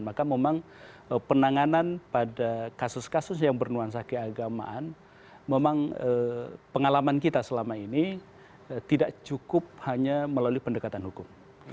maka memang penanganan pada kasus kasus yang bernuansa keagamaan memang pengalaman kita selama ini tidak cukup hanya melalui pendekatan hukum